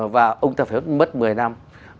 và ông ta phải mất một mươi năm